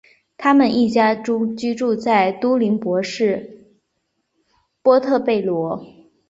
他们一家居住在都柏林市波特贝罗。